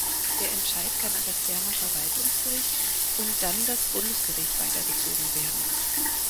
Der Entscheid kann an das Berner Verwaltungsgericht und dann das Bundesgericht weitergezogen werden.